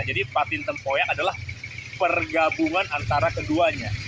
jadi patin tempoyak adalah pergabungan antara keduanya